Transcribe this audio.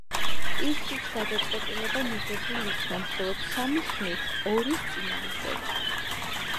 ისიც, გადაწყვეტილება მიღებულ იქნა მხოლოდ სამი ხმით ორის წინააღმდეგ.